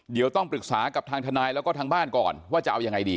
เดี๋ยวต้องปรึกษากับทางทนายแล้วก็ทางบ้านก่อนว่าจะเอายังไงดี